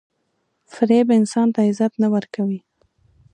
• فریب انسان ته عزت نه ورکوي.